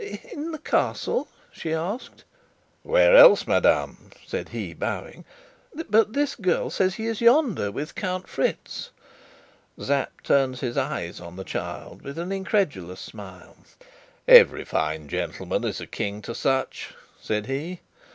"In the Castle?" she asked. "Where else, madame?" said he, bowing. "But this girl says he is yonder with Count Fritz." Sapt turned his eyes on the child with an incredulous smile. "Every fine gentleman is a King to such," said he.